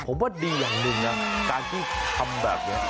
ผมว่าดีอย่างหนึ่งนะการที่ทำแบบนี้